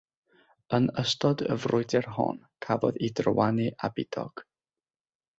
Yn ystod y frwydr hon cafodd ei drywanu â bidog.